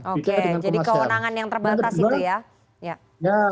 oke jadi kewenangan yang terbatas itu ya